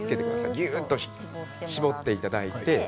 ぎゅっと絞っていただいて。